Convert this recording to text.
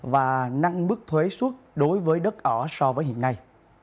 và nâng mức thuế suốt đối với đất ở so với hiện nay